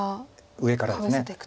上からです。